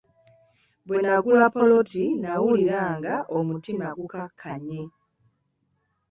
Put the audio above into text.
Bwe nagula ppoloti nawulira nga omutima gukkakkanye.